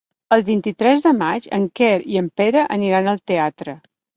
El vint-i-tres de maig en Quer i en Pere aniran al teatre.